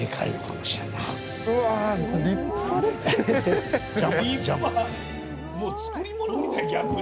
もう作り物みたい逆に。